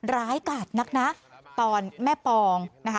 ร้ายกาดนักนะตอนแม่ปองนะคะ